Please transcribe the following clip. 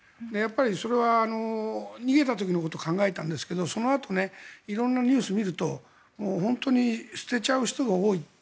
それは逃げた時のことを考えたんですがそのあと色んなニュースを見ると本当に捨てちゃう人が多い。